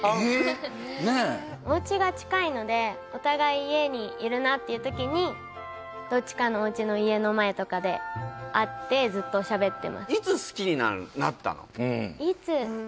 ねえおうちが近いのでお互い家にいるなっていうときにどっちかのおうちの家の前とかで会ってずっとしゃべってますいつ？